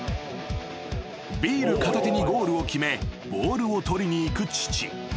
［ビール片手にゴールを決めボールを取りに行く父］